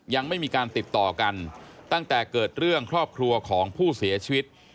ยังไม่มีการติดต่อกันตั้งแต่เกิดเรื่องครอบครัวของผู้เสียชีวิต